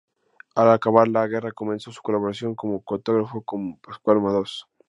Al acabar la guerra comenzó su colaboración como cartógrafo con Pascual Madoz.